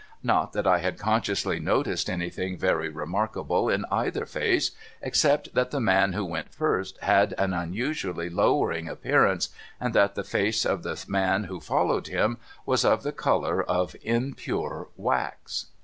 Not that I had consciously noticed anything very remarkable in either face, except that the man who went first had an unusually lowering appearance, and that the face of the man who followed him was of the colour of impure wax.